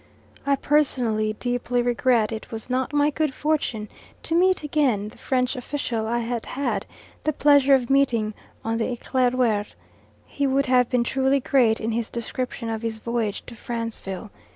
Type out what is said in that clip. I personally deeply regret it was not my good fortune to meet again the French official I had had the pleasure of meeting on the Eclaireur. He would have been truly great in his description of his voyage to Franceville.